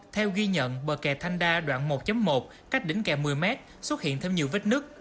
theo ghi nhận bờ kè thanh đa đoạn một một cách đỉnh kè một mươi mét xuất hiện thêm nhiều vết nứt